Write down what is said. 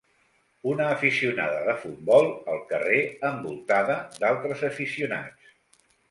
Una aficionada de futbol al carrer envoltada d'altres aficionats.